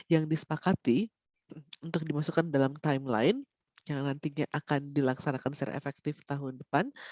yang disepakati untuk dimasukkan dalam timeline yang nantinya akan dilaksanakan secara efektif tahun depan